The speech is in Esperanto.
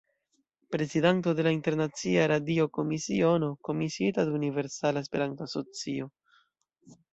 Prezidanto de la Internacia Radio-Komisiono, komisiita de Universala Esperanto-Asocio.